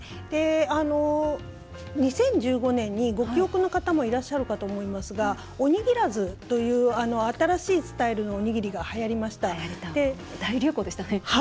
２０１５年にご記憶の方もいらっしゃるかと思いますがおにぎらずという新しいスタイルのおにぎりが大流行でしたね。